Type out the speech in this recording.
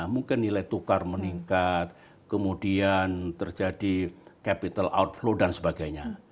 mungkin nilai tukar meningkat kemudian terjadi capital outflow dan sebagainya